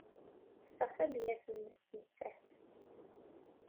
Ttesseɣ tabyirt-nnes nettat.